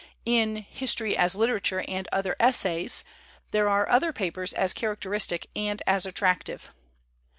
In ' History as Literature and Other Essays/ there are other papers as characteristic and as attractive.